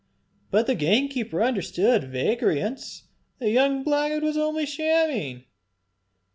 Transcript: But the gamekeeper understood vagrants! the young blackguard was only shamming!